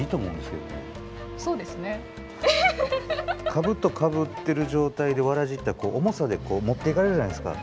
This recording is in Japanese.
かぶとかぶってる状態で草鞋って重さで持っていかれるじゃないですか。